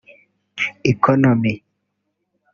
Economy